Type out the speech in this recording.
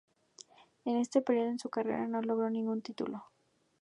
En este período de su carrera no logró ningún título.